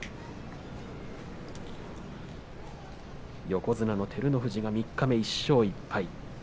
横綱照ノ富士三日目１勝１敗。